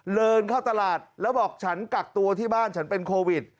เดินเข้าตลาดแล้วบอกฉันกักตัวที่บ้านฉันเป็นโควิด